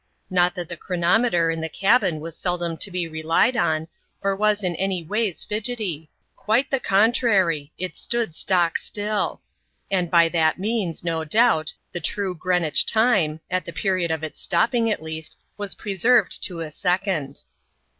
Not that the chronometer in the calHU was seldom to be relied on, X)t was any ways fidgety; quite the contrary ; it stood stock still ; and by that means, no doubt, the true Greenwich time — at the period of its stopping, at least — was preserved to a second.